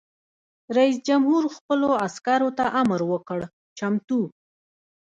رئیس جمهور خپلو عسکرو ته امر وکړ؛ چمتو!